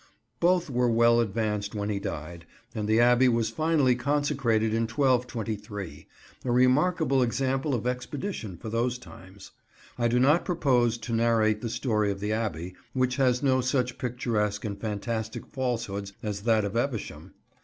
Both were well advanced when he died, and the Abbey was finally consecrated in 1223; a remarkable example of expedition for those times. I do not propose to narrate the story of the Abbey, which has no such picturesque and fantastic falsehoods as that of Evesham.